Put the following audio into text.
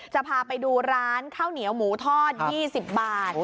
จะพาไปดูร้านข้าวเหนียวหมูทอด๒๐บาท